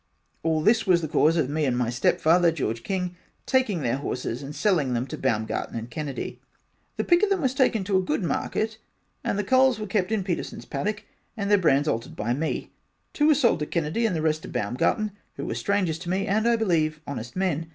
And all this was the cause of me and my step father George King taking their horses and selling them to Baumgarten and Kennedy. the pick of them was taken to a good market and the culls were kept in Petersons paddock and their brands altered by me two was sold to Kennedy and the rest to Baumgarten who were strangers to me and I believe honest men.